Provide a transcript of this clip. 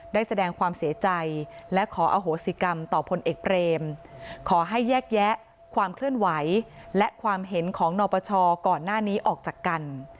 ได้แสดงความเสียใจและขออโหสิกรรมต่อพลเอกเบรมขอให้แยกแยะความเคลื่อนไหวและความเห็นของนปชก่อนหน้านี้ออกจากกัน